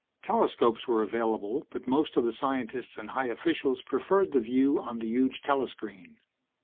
Telescopes were available but most of the scientists and high officials preferred the view on the huge telescreen.